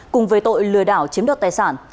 cùng với tội lừa đảo chiếm đoạt tài sản